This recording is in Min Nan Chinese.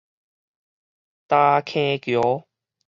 礁坑橋